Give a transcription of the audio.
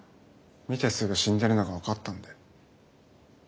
見てすぐ死んでるのが分かったんで。